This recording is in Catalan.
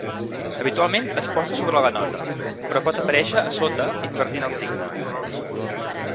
Habitualment es posa sobre la nota, però pot aparèixer a sota invertint el signe.